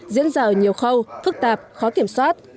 diễn ra ở nhiều khâu phức tạp khó kiểm soát